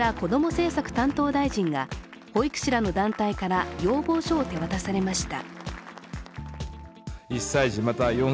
政策担当大臣が保育士らの団体から要望書を手渡されました。